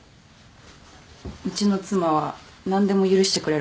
うちの妻は何でも許してくれる女だって。